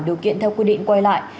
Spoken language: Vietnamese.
điều kiện theo quy định quay lại